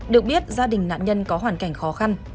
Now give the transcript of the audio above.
được biết gia đình nạn nhân có hoàn cảnh khó khăn